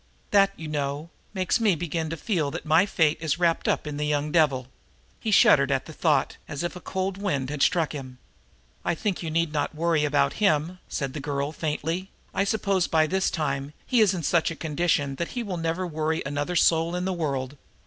That, you know, makes me begin to feel that my fate is wrapped up in the young devil." He shuddered at the thought, as if a cold wind had struck him. "I think you need not worry about him," said the girl faintly. "I suppose by this time he is in such a condition that he will never worry another soul in the world."